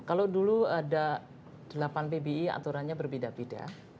kalau dulu ada delapan pbi aturannya berbeda beda